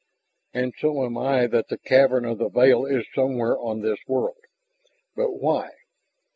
"And so am I that the cavern of the veil is somewhere on this world. But why?"